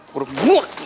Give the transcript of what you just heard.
gue udah muak ki